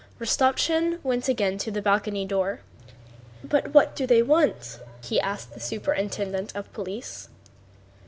Rostopchín went again to the balcony door. "But what do they want?" he asked the superintendent of police.